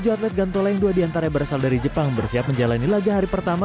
tiga puluh tujuh atlet gantole yang dua di antara berasal dari jepang bersiap menjalani laga hari pertama